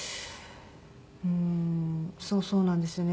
うーんそうなんですよね。